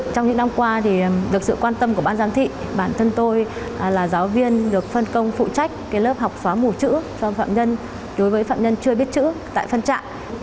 trong những năm qua được sự quan tâm của ban giám thị bản thân tôi là giáo viên được phân công phụ trách lớp học xóa mù chữ cho phạm nhân đối với phạm nhân chưa biết chữ tại phân trại